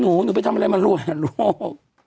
นลุ้วฉันไปทำอะไรมารวยน่าลูก